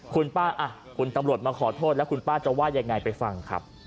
คุณป้าคุณตำรวจมาขอโทษแล้วคุณป้าจะว่ายังไงไปฟังครับ